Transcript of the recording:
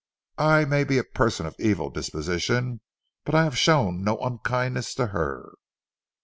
I may be a person of evil disposition, but I have shown no unkindness to her."